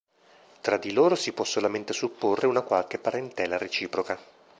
Tra di loro si può solamente supporre una qualche parentela reciproca.